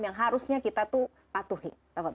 yang harusnya kita patuhi